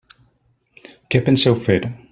Què penseu fer?